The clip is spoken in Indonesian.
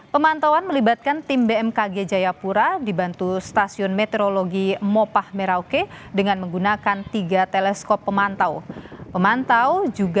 pemantauan melibatkan tim bmkg jayapura dibantu stasiun meteorologi mopah merauke dengan menggunakan tiga teleskop pemantau